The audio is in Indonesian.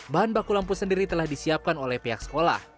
bahan baku lampu sendiri telah disiapkan oleh pihak sekolah